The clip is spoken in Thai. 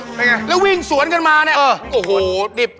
เป็นไงแล้ววิ่งสวนกันมาเนี่ยเออโอ้โหดิบ